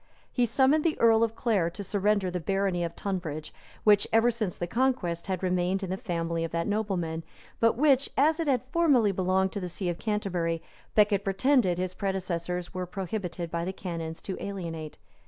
He summoned the earl of Clare to surrender the barony of Tunbridge, which, ever since the conquest, had remained in the family of that nobleman, but which, as it had formerly belonged to the see of Canterbury, Becket pretended his predecessors were prohibited by the canons to alienate.